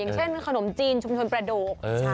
เช่นขนมจีนชุมชนประโดก